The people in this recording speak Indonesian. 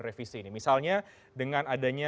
revisi ini misalnya dengan adanya